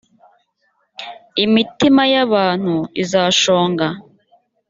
imitima y’ abantu izashonga